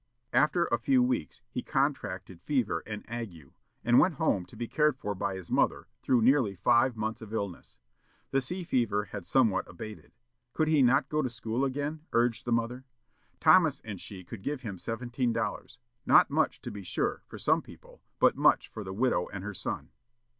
After a few weeks he contracted fever and ague, and went home to be cared for by his mother, through nearly five months of illness. The sea fever had somewhat abated. Could he not go to school again? urged the mother. Thomas and she could give him seventeen dollars; not much, to be sure, for some people, but much for the widow and her son.